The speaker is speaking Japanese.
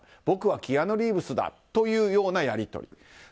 僕はキアヌ・リーブスだというようなやり取り。